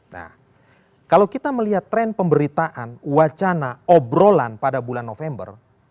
nah kalau kita melihat tren pemberitaan wacana obrolan pada bulan november